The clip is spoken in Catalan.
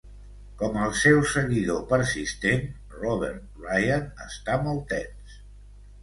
Com el seu seguidor persistent, Robert Ryan està molt tens.